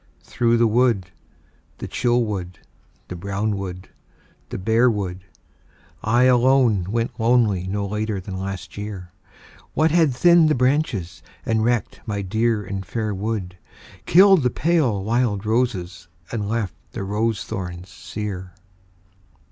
Through the wood, the chill wood, the brown wood, the bare wood, I alone went lonely no later than last year, What had thinned the branches, and wrecked my dear and fair wood, Killed the pale wild roses and left the rose thorns sere